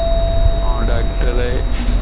وو ڊاڪٽر ائي